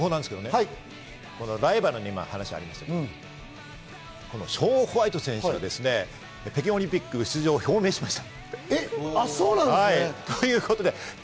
ライバルの話ありましたが、ショーン・ホワイト選手、北京オリンピック出場を表明しました。